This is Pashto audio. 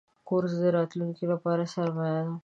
کورس د راتلونکي لپاره سرمایه ده.